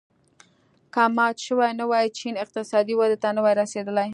که مات شوی نه وای چین اقتصادي ودې ته نه وای رسېدلی.